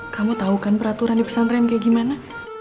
kamu tahu kan peraturan di pesantren kayak gimana